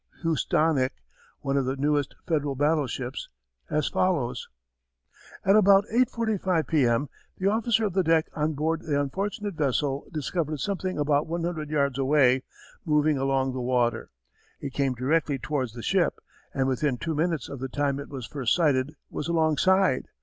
Housatonic, one of the newest Federal battleships, as follows: At about 8.45 P. M., the officer of the deck on board the unfortunate vessel discovered something about one hundred yards away, moving along the water. It came directly towards the ship, and within two minutes of the time it was first sighted was alongside.